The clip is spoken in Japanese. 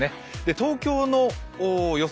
東京の予想